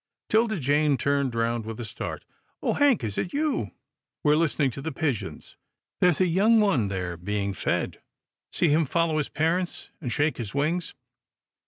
'Tilda Jane turned round with a start. " Oh ! Hank, is it you? We're listening to the pigeons. There's a young one there being fed. See him fol low his parents, and shake his wings."